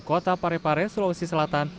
kota parepare sulawesi selatan